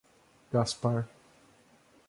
Gaspar